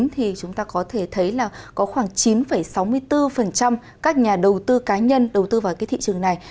thì chúng ta có thể thấy là có khoảng chín sáu mươi bốn các nhà đầu tư cá nhân đầu tư vào cái thị trường này